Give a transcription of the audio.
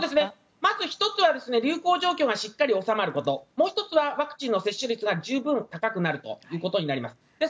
まず１つは流行状況がしっかり収まることもう１つはワクチンの接種率が十分高くなるということになります。